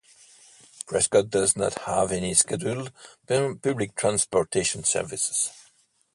Prescott does not have any scheduled public transportation services.